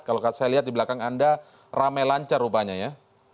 kalau saya lihat di belakang anda ramai lancar rupanya ya